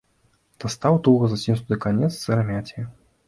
Дастаў туга заціснуты канец сырамяці.